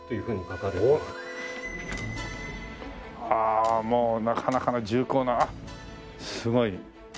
ああもうなかなかな重厚なあっすごい。